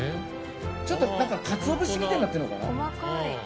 ちょっと何かカツオ節みたいになってんのかな？